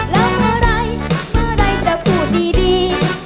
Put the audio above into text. แล้วเมื่อไหร่เมื่อใดจะพูดดี